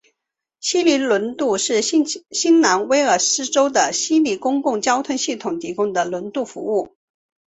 悉尼轮渡是新南威尔士州的悉尼公共交通系统提供的轮渡服务。